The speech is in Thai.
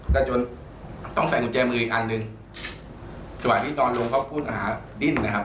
แต่จนต้องใส่กุญแจมืออีกอันหนึ่งสวัสดีนอนลงเขาพูดหาดิ้นนะครับ